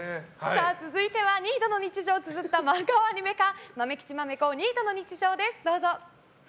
続いてはニートの日常をつづった漫画をアニメ化「まめきちまめこニートの日常」。